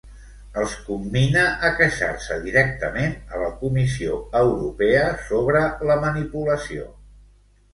Els commina a queixar-se directament a la Comissió Europea sobre la manipulació.